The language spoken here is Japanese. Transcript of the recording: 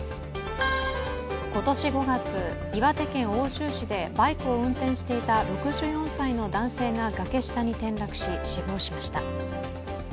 今年５月、岩手県奥州市でバイクを運転していた６４歳の男性が崖下に転落し死亡しました。